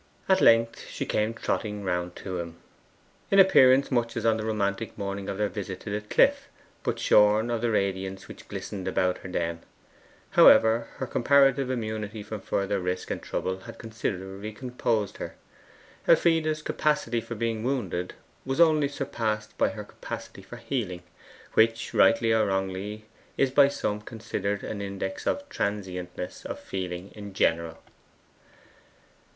At length she came trotting round to him, in appearance much as on the romantic morning of their visit to the cliff, but shorn of the radiance which glistened about her then. However, her comparative immunity from further risk and trouble had considerably composed her. Elfride's capacity for being wounded was only surpassed by her capacity for healing, which rightly or wrongly is by some considered an index of transientness of feeling in general.